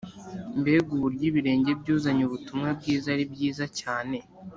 mbega uburyo ibirenge byuzanye ubutumwa bwiza ari byiza cyane!